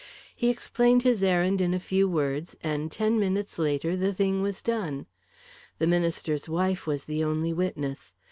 He explained his errand in a few words, and ten minutes later, the thing was done. The minister's wife was the only witness.